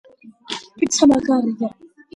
პიცა მაგარია